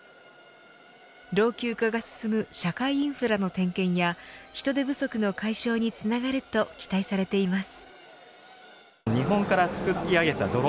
老朽化が進む社会インフラの点検や人手不足の解消につながると期待されています。